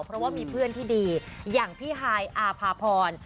เพราะว่ามีเพื่อนที่ดีอย่างพี่ฮายอาภาพร